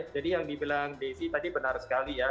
jadi yang dibilang desi tadi benar sekali ya